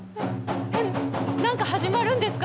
なんか始まるんですか